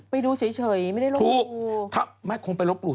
ไปดูเฉยไม่ได้ลบหลู่